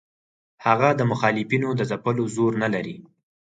هغه د مخالفینو د ځپلو زور نه لري.